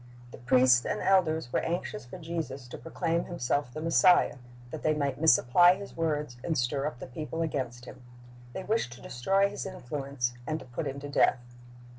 The priests and elders were anxious for Jesus to proclaim Flimself the Messiah, that they might misapply His words and stir up the people against Him. They wished to destroy His influence and to put Him to death.